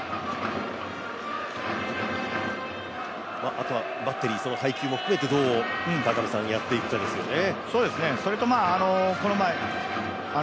あとはバッテリー、その配球含めてどうやっていくかですね。